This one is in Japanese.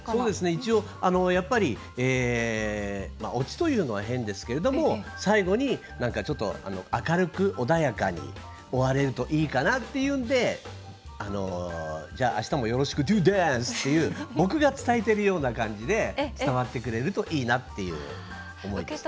一応、やっぱりオチというのは変ですけど最後に明るく穏やかに終われるといいかなと思ってじゃあ、あしたもよろしくＤＯＤＡＮＣＥ！っていうので僕が伝えてるような感じで伝わってくれるといいなっていう思いです。